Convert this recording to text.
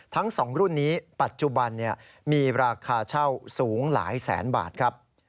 ทั้ง๒รุ่นนี้ปัจจุบันมีราคาเช่าสูงหลายแสนบาทครับ